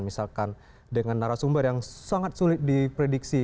misalkan dengan narasumber yang sangat sulit diprediksi